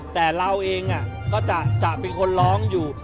แต่เราเองก็จะเป็นคนร้องอยู่